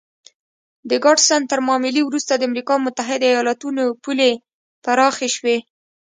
د ګاډسن تر معاملې وروسته د امریکا متحده ایالتونو پولې پراخې شوې.